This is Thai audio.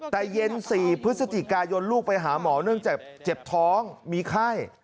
แต่เย็น๔พฤศจิกายนลูกไปหาหมอเนื่องจากเจ็บท้องมีไข้